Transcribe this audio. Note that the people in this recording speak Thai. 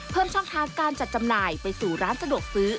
เพิ่มช่องทางการจัดจำหน่ายไปสู่ร้านสะดวกซื้อ